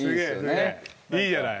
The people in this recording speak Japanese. いいじゃない。